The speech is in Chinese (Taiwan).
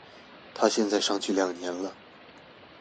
他現在上去兩年了